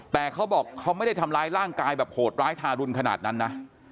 แต่เขาบอกเขาไม่ได้ทำร้ายร่างกายแบบโหดร้ายทารุณขนาดนั้นนะ